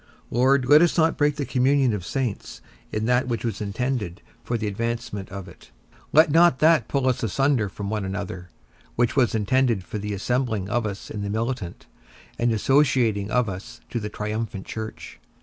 Lord, let not us break the communion of saints in that which was intended for the advancement of it; let not that pull us asunder from one another, which was intended for the assembling of us in the militant, and associating of us to the triumphant church.